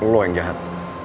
lo yang jahat